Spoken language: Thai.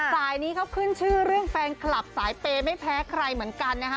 สายนี้เขาขึ้นชื่อเรื่องแฟนคลับสายเปย์ไม่แพ้ใครเหมือนกันนะคะ